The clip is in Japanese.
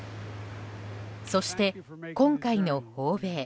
そして、今回の訪米